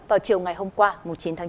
vào chiều ngày hôm qua chín tháng chín